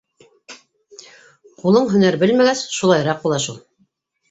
Ҡулың һөнәр белмәгәс, шулайыраҡ була шул.